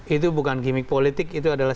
itu bukan gimmick politik itu adalah